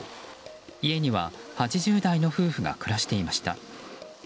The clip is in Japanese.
家には８０代の夫婦が暮らしていました。